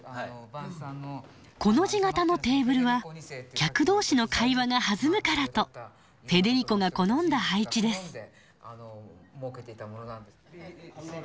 コの字形のテーブルは客同士の会話が弾むからとフェデリコが好んだ配置です。